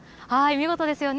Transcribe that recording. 見事ですよね。